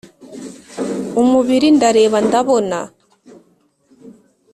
umubiri ndareba ndabona